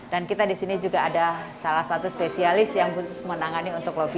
dan kita di sini juga ada salah satu spesialis yang khusus menangani untuk low vision